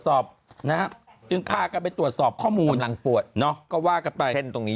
สอบนะฮะจึงพากันไปตรวจสอบข้อมูลหลังปวดเนอะก็ว่ากันไปเส้นตรงนี้